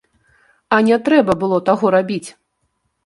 А не трэба было таго рабіць.